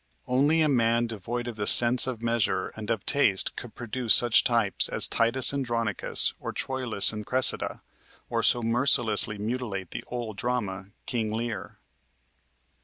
Only a man devoid of the sense of measure and of taste could produce such types as "Titus Andronicus" or "Troilus and Cressida," or so mercilessly mutilate the old drama "King Leir."